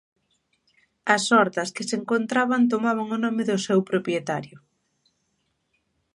As hortas que se encontraban tomaban o nome do seu propietario.